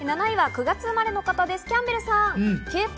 ７位は９月生まれの方です、キャンベルさん。